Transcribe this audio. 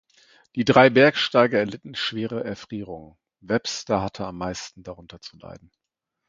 Die drei Bergsteiger erlitten schwere Erfrierungen; Webster hatte am meisten darunter zu leiden.